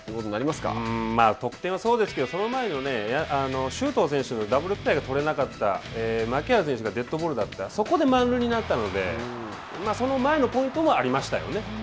まあ得点はそうですけど、その前の周東選手ダブルプレーが取れなかった牧原選手がデッドボールだったそこで満塁になったのでその前のポイントもありましたよね。